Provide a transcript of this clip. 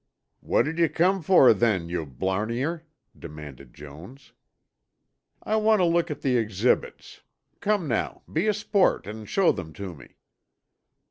"What did you come for then, you blarneyer?" demanded Jones. "I want a look at the exhibits. Come now, be a sport and show them to me."